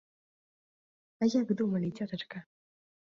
А як думалі, цётачка?